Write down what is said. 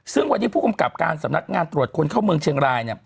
ซึ่งวันนี้ผู้กำกับการสำนักงานตรวจคนเข้าเมืองเชียงราย